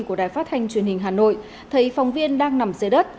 của đài phát thanh truyền hình hà nội thấy phóng viên đang nằm dưới đất